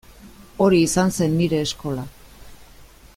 Hori izan zen nire eskola.